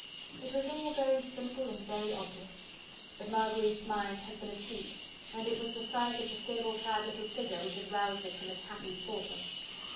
It was all very simple and very obvious: but Marguerite's mind had been asleep, and it was the sight of the sable clad little figure which had roused it from its happy torpor.